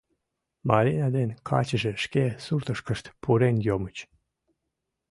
Марина ден качыже шке суртышкышт пурен йомыч.